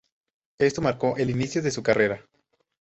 Esto marcó el inicio de su carrera.